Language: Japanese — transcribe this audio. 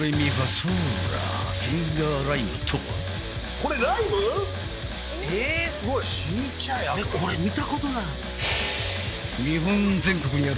これ見たことない。